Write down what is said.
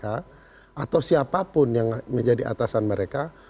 atau siapapun yang menjadi atasan mereka